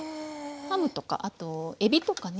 ハムとかあとエビとかね。